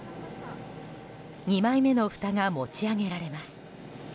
２枚目のふたが持ち上げられます。